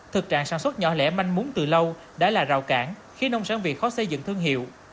thực trạng sản xuất nhỏ lẻ manh mún từ lâu đã là rào cản khiến nông sản việt khó xây dựng thương hiệu